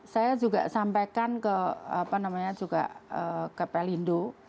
saya juga sampaikan ke apa namanya juga ke pelindo